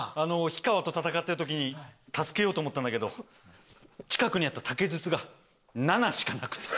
氷川と戦ってる時に助けようと思ったんだけど近くにあった竹筒が７しかなくて。